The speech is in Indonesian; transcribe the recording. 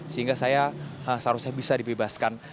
sehingga saya seharusnya bisa dibebaskan